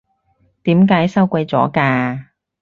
點解收貴咗㗎？